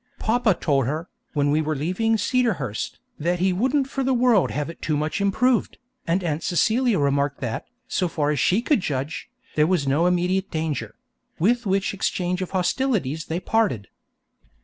Papa told her, when we were leaving Cedarhurst, that he wouldn't for the world have it too much improved, and Aunt Celia remarked that, so far as she could judge, there was no immediate danger; with which exchange of hostilities they parted.